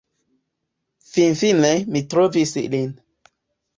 Finfine mi trovis lin